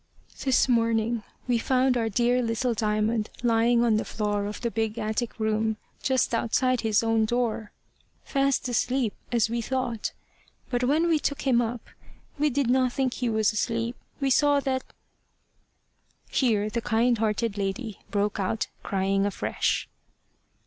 "This morning we found our dear little Diamond lying on the floor of the big attic room, just outside his own door fast asleep, as we thought. But when we took him up, we did not think he was asleep. We saw that " Here the kind hearted lady broke out crying afresh.